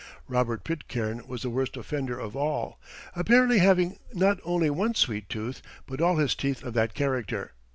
Robert Pitcairn was the worst offender of all, apparently having not only one sweet tooth, but all his teeth of that character.